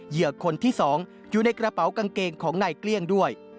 เหยื่อคนที่๒อยู่ในกระเป๋ากางเกงของนายเกลี้ยงด้วย